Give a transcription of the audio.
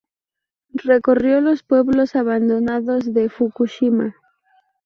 Recorrió los pueblos abandonados de Fukushima.